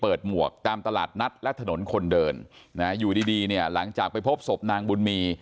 เปิดหมวกตามตลาดนัดและถนนคนเดินอยู่ดีหลังจากไปพบศพนางบุญมี